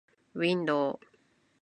window